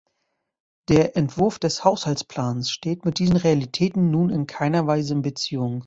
Der Entwurf des Haushaltsplans steht mit diesen Realitäten nun in keiner Weise in Beziehung.